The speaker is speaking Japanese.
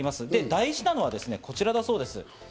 大事なのはこちらだそうです。